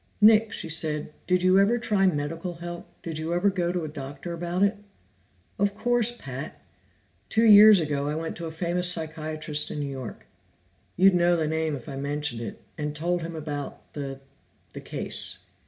"Nick," she said, "did you ever try medical help? Did you ever go to a doctor about it?" "Of course, Pat! Two years ago I went to a famous psychiatrist in New York you'd know the name if I mentioned it and told him about the the case.